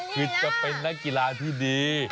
คือจะเป็นนักกีฬาที่ดี